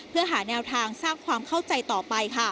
เพื่อหาแนวทางสร้างความเข้าใจต่อไป